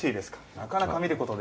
なかなか見ること